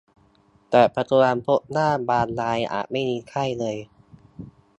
แต่ปัจจุบันพบว่าบางรายอาจไม่มีไข้เลย